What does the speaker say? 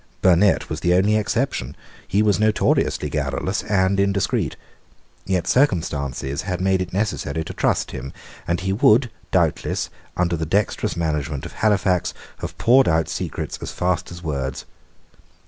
Burnet was the only exception. He was notoriously garrulous and indiscreet. Yet circumstances had made it necessary to trust him; and he would doubtless, under the dexterous management of Halifax, have poured out secrets as fast as words.